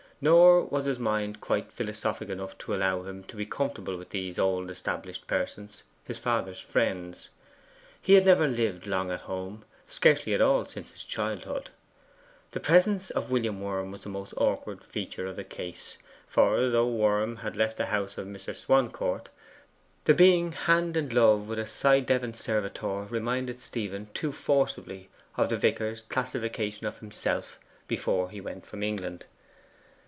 Nor was his mind quite philosophic enough to allow him to be comfortable with these old established persons, his father's friends. He had never lived long at home scarcely at all since his childhood. The presence of William Worm was the most awkward feature of the case, for, though Worm had left the house of Mr. Swancourt, the being hand in glove with a ci devant servitor reminded Stephen too forcibly of the vicar's classification of himself before he went from England.